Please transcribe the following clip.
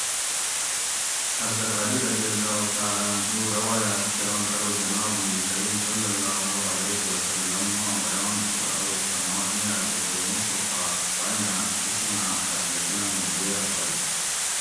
حضرت علی(رض) روایات کرنت ارو جناب نبی کریم صلی اللّہ علیہ وسلّم ماں بیان تُھو ارو کھیامات نیار ہُو تے مخلوقات پنجاۤ قسماں خصلتونہ مئی گیر ہوئے